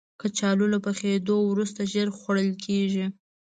کچالو له پخېدو وروسته ژر خوړل کېږي